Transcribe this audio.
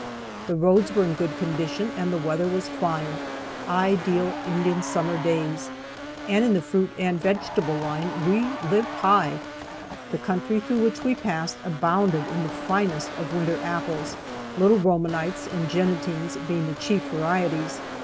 The roads were in good condition, and the weather was fine; ideal Indian Summer days. And in the fruit and vegetable line we lived high. The country through which we passed abounded in the finest of winter apples, Little Romanites and Jennetings being the chief varieties.